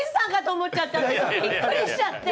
びっくりしちゃって。